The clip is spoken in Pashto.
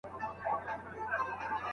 که شفقت وي نو کشران نه ځورېږي.